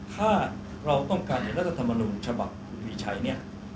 ถ้าเราต้องการในรัฐธรรมนูญฉบับคุณมีชัยเนี่ย